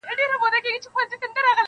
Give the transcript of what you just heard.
• په تورونو کي دي بند کړل زموږ سرونه -